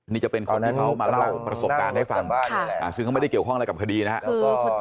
นี่จะเป็นคนที่เขามาเล่าประสบการณ์ให้ฟังซึ่งเขาไม่ได้เกี่ยวข้องอะไรกับคดีนะครับ